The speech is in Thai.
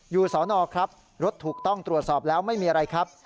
สอนอครับรถถูกต้องตรวจสอบแล้วไม่มีอะไรครับ